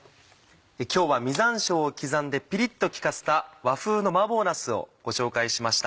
今日は実山椒を刻んでピリっと利かせた和風の麻婆なすをご紹介しました。